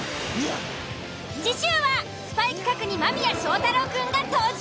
次週はスパイ企画に間宮祥太朗くんが登場。